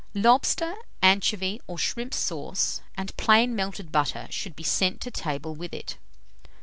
Lobster, anchovy, or shrimp sauce, and plain melted butter, should be sent to table with it.